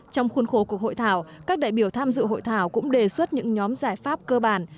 trong khuôn khổ cuộc hội thảo các đại biểu tham dự hội thảo cũng đề xuất những nhóm giải pháp cơ bản